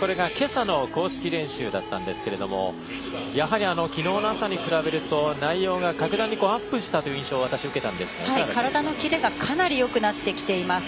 これが今朝の公式練習だったんですがやはり、昨日に比べると内容が格段にアップしたという体のキレがかなりよくなっています。